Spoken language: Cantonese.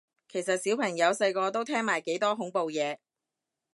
其實小朋友細個都聽埋幾多恐怖嘢